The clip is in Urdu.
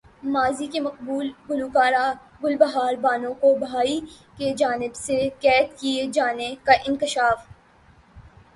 ماضی کی مقبول گلوکارہ گل بہار بانو کو بھائی کی جانب سے قید کیے جانے کا انکشاف